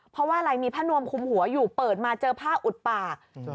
เพราะว่าอะไรมีผ้านวมคุมหัวอยู่เปิดมาเจอผ้าอุดปาก